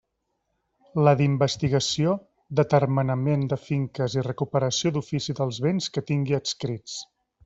La d'investigació, d'atermenament de finques i recuperació d'ofici dels béns que tingui adscrits.